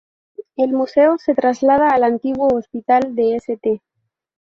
El museo se traslada al antiguo Hospital de St.